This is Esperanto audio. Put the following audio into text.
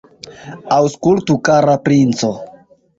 Aŭskultu, kara princo!